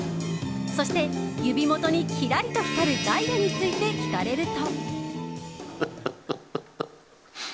そして、指元にキラリと光るダイヤについて聞かれると。